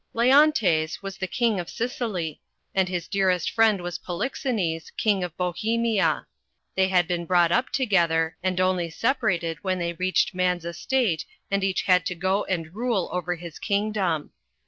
LEONTES was the King of Sicily, and his dearest friend was Polixenes, King of Bohemia. They had been brought up to gether and only separated when they reached man's estate and each had to go and rule over his kingdom.